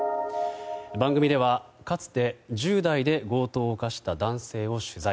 番組ではかつて１０代で強盗を犯した男性を取材。